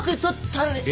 取ったる！